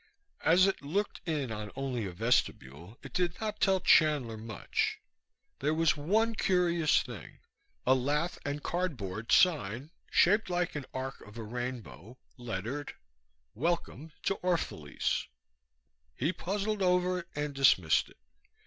As it looked in on only a vestibule it did not tell Chandler much. There was one curious thing a lath and cardboard sign, shaped like an arc of a rainbow, lettered: WELCOME TO ORPHALESE He puzzled over it and dismissed it.